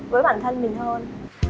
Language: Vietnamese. với bản thân mình hơn